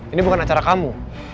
ini bukan acara kamu